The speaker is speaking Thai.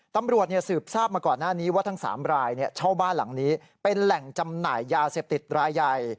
ตำรวจสืบทราบมาก่อนหน้านี้ว่าทั้ง๓รายเช่าบ้านหลังนี้เป็นแหล่งจำหน่ายยาเสพติดรายใหญ่